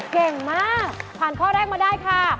เก่งมากผ่านข้อแรกมาได้ค่ะ